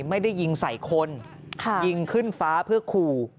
ไม่ได้ยิงใส่คนยิงขึ้นฟ้าเพื่อขู่